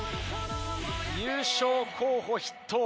優勝候補筆頭。